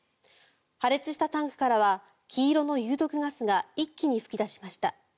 破裂したタンクからは黄色の有毒ガスが一気に噴き出しました。